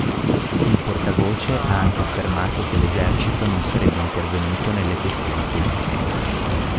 Il portavoce ha anche affermato che l'esercito non sarebbe intervenuto nelle questioni politiche.